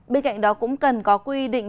bên cạnh đó cũng cần có quy định